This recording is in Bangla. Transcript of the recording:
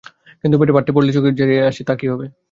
কিন্তু পেটে ভাতটি পড়লেই চোখ জড়িয়ে আসে, তার কী হবে?